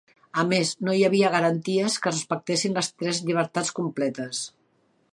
A més, no hi havia garanties que es respectessin les tres llibertats completes.